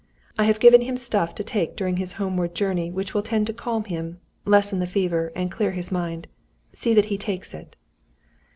I have given him stuff to take during his homeward journey which will tend to calm him, lessen the fever, and clear his mind. See that he takes it."